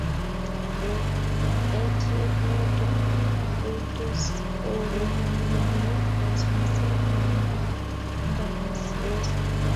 Etyet notok oitos oinoni koos missing eng nganaseet.